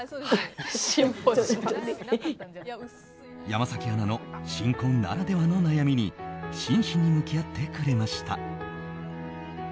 山崎アナの新婚ならではの悩みに真摯に向き合ってくれました。